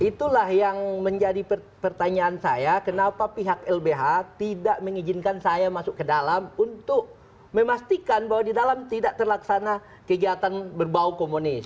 itulah yang menjadi pertanyaan saya kenapa pihak lbh tidak mengizinkan saya masuk ke dalam untuk memastikan bahwa di dalam tidak terlaksana kegiatan berbau komunis